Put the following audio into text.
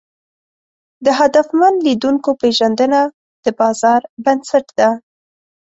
د هدفمن لیدونکو پېژندنه د بازار بنسټ ده.